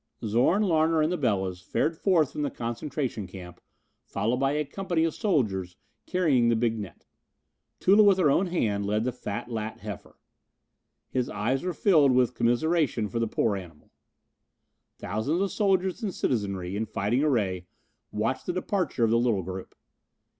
Zorn, Larner and the Belas fared forth from the concentration camp followed by a company of soldiers carrying the big net. Tula with her own hand led the fat lat heifer. His eyes were filled with commiseration for the poor animal. Thousands of soldiers and citizenry, in fighting array, watched the departure of the little group.